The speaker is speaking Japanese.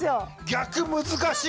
逆難しい。